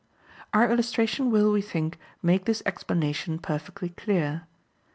Our illustrations will, we think, make this explanation perfectly clear.